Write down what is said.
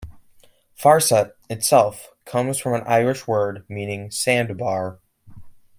"Farset" itself comes from an Irish word meaning "sandbar".